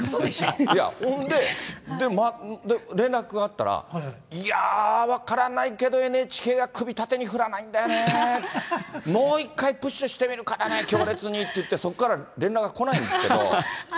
いや、ほんで、連絡があったら、いやー、分からないけど、ＮＨＫが首縦に振らないんだよね、もう一回、プッシュしてみるからね、強烈にって言って、そこから連絡がこないんですけど。